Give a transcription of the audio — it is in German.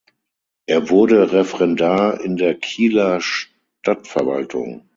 Er wurde Referendar in der Kieler Stadtverwaltung.